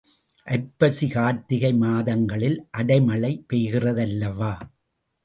ஐப்பசி கார்த்திகை மாதங்களில் அடைமழை பெய்கிறதல்லவா?